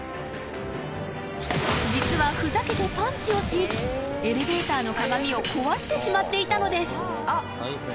［実はふざけてパンチをしエレベーターの鏡を壊してしまっていたのです］